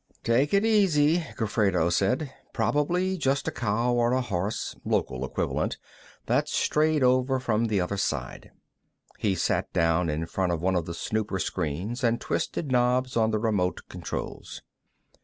"Take it easy," Gofredo said. "Probably just a cow or a horse local equivalent that's strayed over from the other side." He sat down in front of one of the snooper screens and twisted knobs on the remote controls.